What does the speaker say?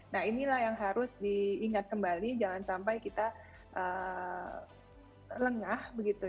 nah inilah yang harus diingat kembali jangan sampai kita lengah begitu